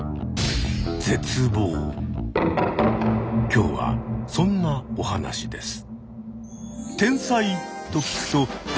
今日はそんなお話です。